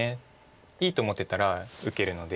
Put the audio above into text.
いいと思ってたら受けるので。